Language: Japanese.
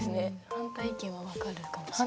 反対意見は分かるかもしれない。